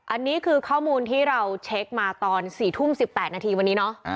อันนี้คือข้อมูลที่เราเช็คมาตอน๔ทุ่ม๑๘นาทีวันนี้เนาะ